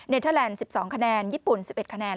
เทอร์แลนด์๑๒คะแนนญี่ปุ่น๑๑คะแนน